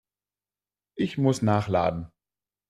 Ich muss nachladen.